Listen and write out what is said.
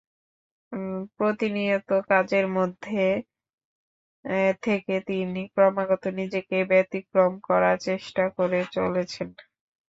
প্রতিনিয়ত কাজের মধ্যে থেকে তিনি ক্রমাগত নিজেকে অতিক্রম করার চেষ্টা করে চলেছেন।